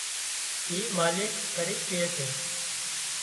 اي مالڪ ڪرِي ڪي سي